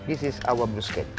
ini adalah bruschetta kita